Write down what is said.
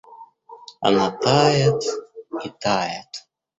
Она тает и тает.